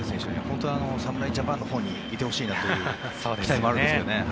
本当は侍ジャパンのほうにいてほしいなという期待もあるんですけどね。